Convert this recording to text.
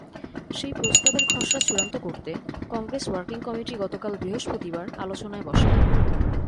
সেই প্রস্তাবের খসড়া চূড়ান্ত করতে কংগ্রেস ওয়ার্কিং কমিটি গতকাল বৃহস্পতিবার আলোচনায় বসে।